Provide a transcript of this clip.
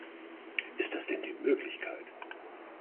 Ist das denn die Möglichkeit?